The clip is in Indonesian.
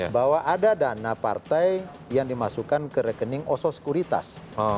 bahwa ada dana partai yang dimasukkan ke rekening oso sekuritas